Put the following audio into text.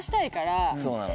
そうなの。